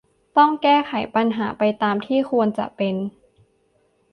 ต้องแก้ปัญหาไปตามที่ควรจะเป็น